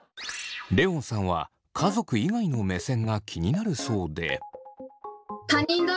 レオンさんは家族以外の目線が気になるそうで。